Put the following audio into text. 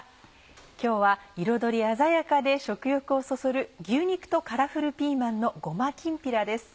今日は彩り鮮やかで食欲をそそる「牛肉とカラフルピーマンのごまきんぴら」です。